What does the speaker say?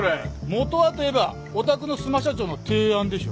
本はといえばお宅の須磨社長の提案でしょ。